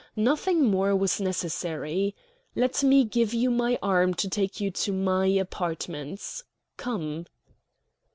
Nothing more was necessary. Let me give you my arm to take you to my apartments. Come."